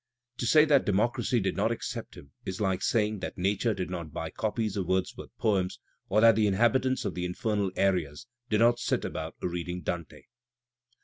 To say that democracy did not accept him is like saying that Nature did not buy copies of Wordsworth's poems or that the inhabitants of the Infernal areas do not sit about reading Dante.